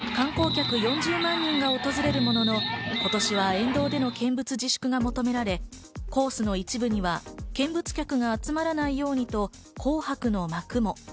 例年観光客４０万人が訪れるものの、今年は沿道での見物自粛も求められ、コースの一部には見物客が集まらないようにと紅白の幕も。